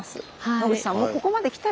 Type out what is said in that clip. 野口さん